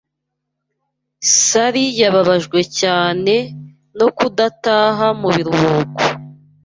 Sally yababajwe cyane no kudataha mu biruhuko.